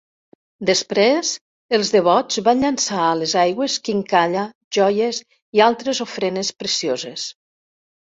Després, els devots van llançar a les aigües quincalla, joies i altres ofrenes precioses.